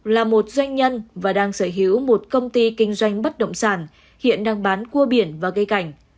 là một doanh nhân và đang sở hữu một công ty kinh doanh bất động sản hiện đang bán cua biển và gây cảnh